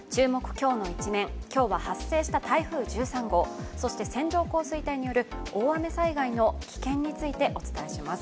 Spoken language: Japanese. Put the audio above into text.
きょうのイチメン」、今日は発生した台風１３号、そして線状降水帯による大雨災害の危険についてお伝えします。